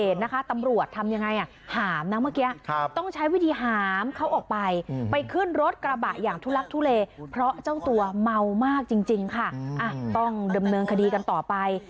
ต้องดำเนินคดีกันต่อไป